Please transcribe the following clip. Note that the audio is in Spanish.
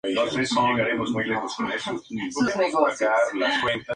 Sus otros hermanos fueron, en orden de edad, Larry, Leslie y Margo.